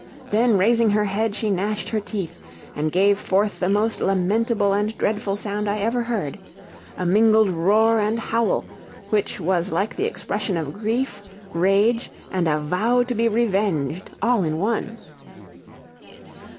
Then, raising her head, she gnashed her teeth, and gave forth the most lamentable and dreadful sound I ever heard; a mingled roar and howl, which was like the expression of grief, rage, and a vow to be revenged, all in one.